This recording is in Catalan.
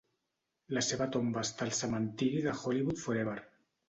La seva tomba està al cementiri de Hollywood Forever.